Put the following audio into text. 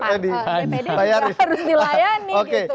dprd juga harus dilayani